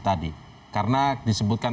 tadi karena disebutkan